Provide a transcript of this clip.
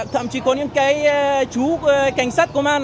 thậm chí có những cái chú cảnh sát công an